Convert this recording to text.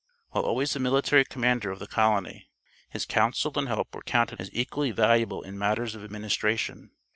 While always the military commander of the colony, his counsel and help were counted as equally valuable in matters of administration.